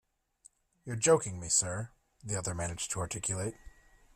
You're joking me, sir, the other managed to articulate.